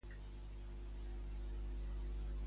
També radiava el sol al carrer de Ciutadans?